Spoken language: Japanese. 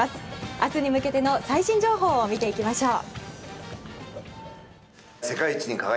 明日に向けての最新情報を見ていきましょう。